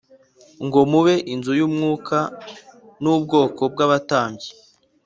Ngo mube inzu y umwuka n ubwoko bw abatambyi